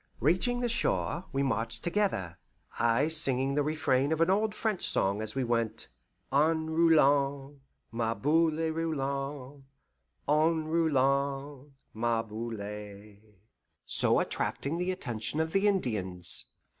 Reaching the shore, we marched together, I singing the refrain of an old French song as we went, En roulant, ma boule roulant, En roulant, ma boule so attracting the attention of the Indians.